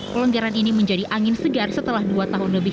pelonggaran ini menjadi angin segar setelah dua tahun lebih